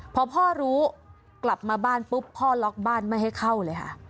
พอพ่อรู้กลับมาบ้านปุ๊บพ่อล็อกบ้านไม่ให้เข้าเลยค่ะ